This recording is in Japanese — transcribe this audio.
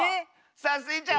さあスイちゃん